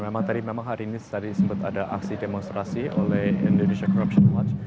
memang tadi memang hari ini tadi sempat ada aksi demonstrasi oleh indonesia corruption watch